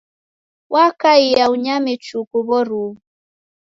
Wakaia unyame chuku w'oruwu.